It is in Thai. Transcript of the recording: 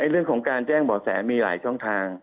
เรื่องของการแจ้งบ่อแสมีหลายช่องทาง